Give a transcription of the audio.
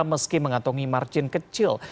meski mengatungi margin kecil